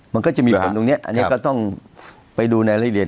มันก็จะมีผลตรงนี้อันนี้ก็ต้องไปดูในละเอียด